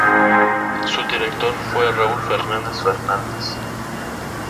Su director fue Raúl Fernández Fernández.